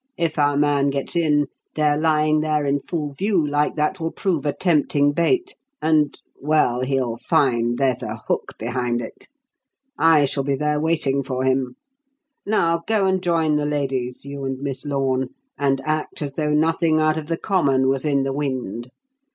If our man gets in, their lying there in full view like that will prove a tempting bait, and well, he'll find there's a hook behind it. I shall be there waiting for him. Now go and join the ladies, you and Miss Lorne, and act as though nothing out of the common was in the wind.